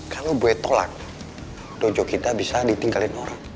kalau gue tolak dojo kita bisa ditinggalin orang